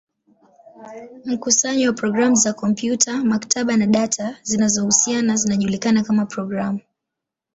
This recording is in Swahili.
Mkusanyo wa programu za kompyuta, maktaba, na data zinazohusiana zinajulikana kama programu.